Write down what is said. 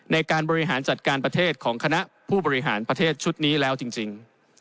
ในการบริหารจัดการประเทศของคณะผู้บริหารประเทศชุดนี้แล้วจริง